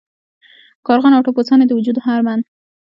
کارغان او ټپوسان یې د وجود هر بند.